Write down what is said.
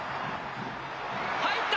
入った。